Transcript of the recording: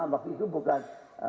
waktu itu bukan